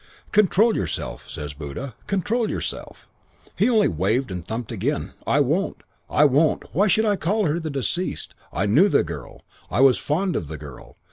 "'Control yourself,' says Buddha. 'Control yourself.' "He only waved and thumped again. 'I won't. I won't. Why should I call her the deceased? I knew the girl. I was fond of the girl.